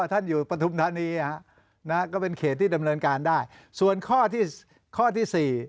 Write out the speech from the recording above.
ท่านอยู่ปฐุมธานีก็เป็นเขตที่ดำเนินการได้ส่วนข้อที่ข้อที่สี่